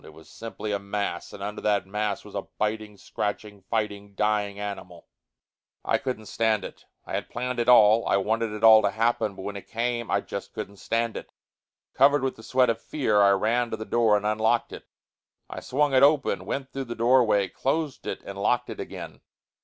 It was simply a mass, and under that mass was a biting, scratching, fighting, dying animal. I couldn't stand it. I had planned it all, I wanted it all to happen, but when it came, I just couldn't stand it. Covered with the sweat of fear, I ran to the door and unlocked it. I swung it open, went through the doorway, closed it and locked it again.